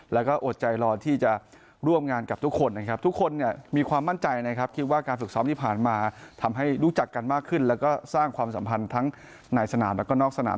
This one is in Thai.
แล้วก็สร้างความสัมพันธ์ทั้งในสนามแล้วก็นอกสนาม